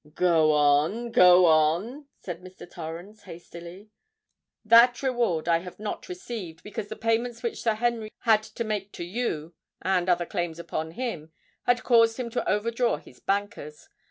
"Go on—go on," said Mr. Torrens hastily. "That reward I have not received, because the payments which Sir Henry had to make to you, and other claims upon him, had caused him to overdraw his bankers.